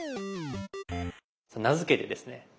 名付けてですね